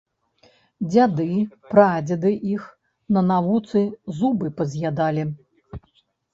Дзяды, прадзеды іх на навуцы зубы паз'ядалі.